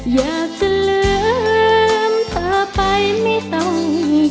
อยากจะลืมเธอไปไม่ต้อง